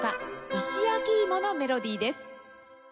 『石焼きいも』のメロディーです。